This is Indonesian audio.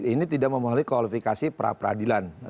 ini tidak memahami kualifikasi pra peradilan